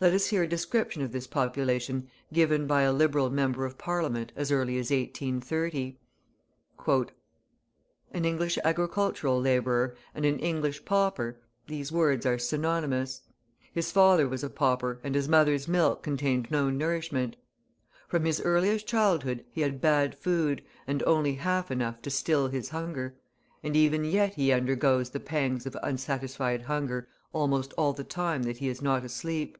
Let us hear a description of this population given by a Liberal member of Parliament as early as 1830. "An English agricultural labourer and an English pauper, these words are synonymous. His father was a pauper and his mother's milk contained no nourishment. From his earliest childhood he had bad food, and only half enough to still his hunger, and even yet he undergoes the pangs of unsatisfied hunger almost all the time that he is not asleep.